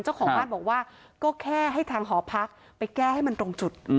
เจ้าของบ้านบอกว่าก็แค่ให้ทางหอพักไปแก้ให้มันตรงจุด